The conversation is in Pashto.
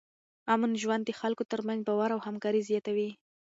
امن ژوند د خلکو ترمنځ باور او همکاري زیاتوي.